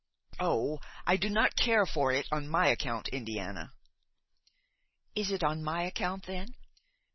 "Oh! I do not care for it on my account, Indiana!" "Is it on my account then?